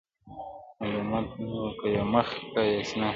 ملامت نۀ وه كۀ يى مخ كۀ يى سينه وهله,